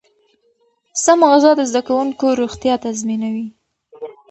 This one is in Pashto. سمه غذا د زده کوونکو روغتیا تضمینوي.